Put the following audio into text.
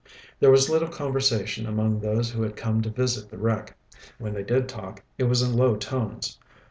There was little conversation among those who had come to visit the wreck. When they did talk, it was in low tones.